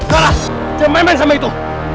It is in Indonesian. gara jangan main main sama itu